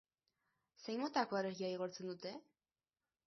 Zein motatako argia igortzen dute?